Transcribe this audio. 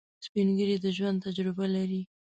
سپین ږیری د ژوند تجربه لري